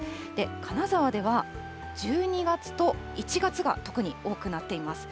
金沢では１２月と１月が特に多くなっています。